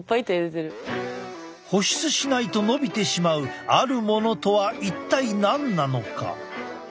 保湿しないと伸びてしまうあるものとは一体何なのか？